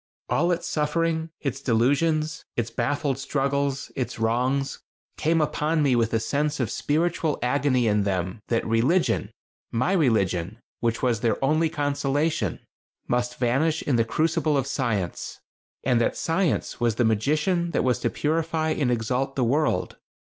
All its sufferings, its delusions; its baffled struggles; its wrongs, came upon me with a sense of spiritual agony in them that religion my religion, which was their only consolation must vanish in the crucible of Science. And that Science was the magician that was to purify and exalt the world.